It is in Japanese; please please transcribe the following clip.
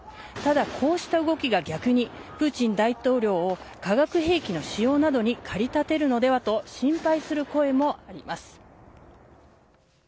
ただ、こうした動きが逆にプーチン大統領を化学兵器の使用などに駆り立てるのではと心配する声もあります。